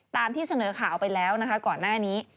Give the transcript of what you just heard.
ตามที่เสนอข่าวไปแล้วนะคะก่อนหน้านี้